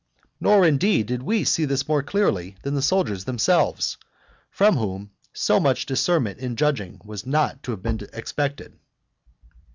Nor, indeed, did we see this more clearly than the soldiers themselves; from whom so much discernment in judging was not to have been expected.